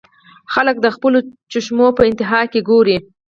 خلک د خپلو چشمو پۀ انتها کښې ګوري -